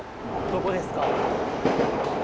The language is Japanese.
どこですか？